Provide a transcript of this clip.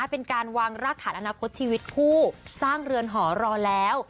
เป็นการวางรากฐานอนาคตชีวิตคู่สร้างเรือนหอรอแล้ว